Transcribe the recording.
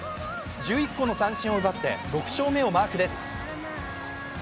１１個の三振を奪って６勝目をマークです。